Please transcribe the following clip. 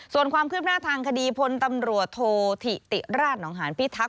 ส่วนความคืบหน้าทางคดีพลตำรวจโทษธิติราชหนองหานพิทักษ